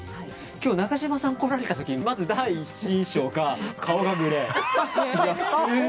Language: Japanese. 今日、中島さん来られた時まず第一印象が顔がグレー。